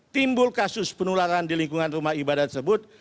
timbul kasus penularan di lingkungan rumah ibadah tersebut